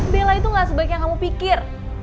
bela itu gak sebaik yang kamu pikir